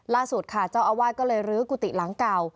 ล่าสุดค่ะเจ้าอาวาสก็เลยรื้อกุฏิหลังเก่า